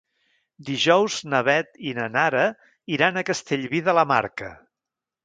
Dijous na Beth i na Nara iran a Castellví de la Marca.